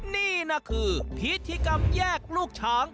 นี่นะคือพิธีกรรมแยกลูกช้าง